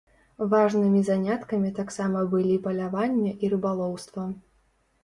Важнымі заняткамі таксама былі паляванне і рыбалоўства.